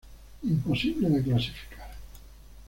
Imposible de clasificar".